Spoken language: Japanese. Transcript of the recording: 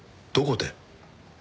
どこで？